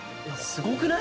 すごくない？